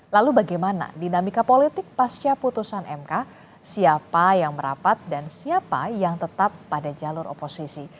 lalu bagaimana dinamika politik pasca putusan mk siapa yang merapat dan siapa yang tetap pada jalur oposisi